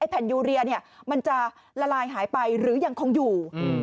แผ่นยูเรียมันจะละลายหายไปหรือยังคงอยู่